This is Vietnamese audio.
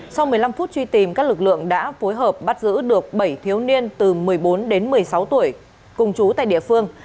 sau một mươi năm phút truy tìm các lực lượng đã phối hợp bắt giữ được bảy thiếu niên từ một mươi bốn đến một mươi sáu tuổi cùng chú tại địa phương